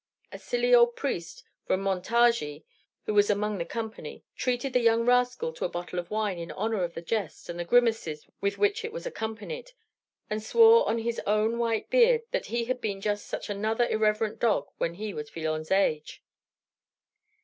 A silly old priest from Montargis, who was among the company, treated the young rascal to a bottle of wine in honor of the jest and the grimaces with which it was accompanied, and swore on his own white beard that he had been just such another irreverent dog when he was Villon's age.